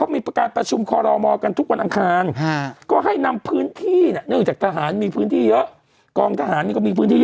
มีพื้นที่เยอะกองทหารก็มีพื้นที่เยอะ